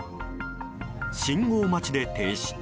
信号待ちで停止。